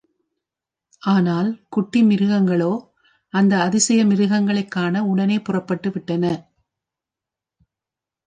ஆனால் குட்டி மிருகங்களோ அந்த அதிசய மிருகங்களைக் காண உடனே புறப்பட்டு விட்டன.